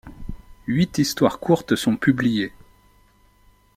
Huit histoires courtes sont publiées.